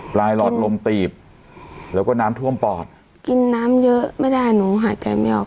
หลอดลมตีบแล้วก็น้ำท่วมปอดกินน้ำเยอะไม่ได้หนูหายใจไม่ออก